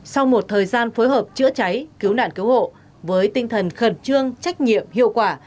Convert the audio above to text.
sau một thời gian phối hợp chữa cháy cứu nạn cứu hộ với tinh thần khẩn trương trách nhiệm hiệu quả